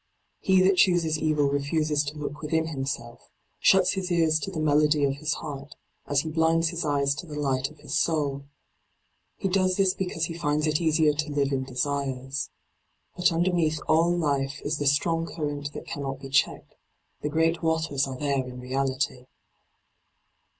He that chooses evil refuses to look within himself, shuts his ears to the melody of his heart, as he blinds his eyes to the light of his soul. He does this because he finds it easier to live in. desires. But underneath all life is the d by Google LIGHT ON THE PATH 31 Strong current that cannot be checked ; the great waters are there in reality.